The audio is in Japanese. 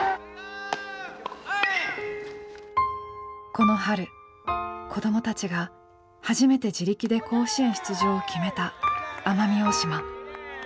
この春子どもたちが初めて自力で甲子園出場を決めた奄美大島。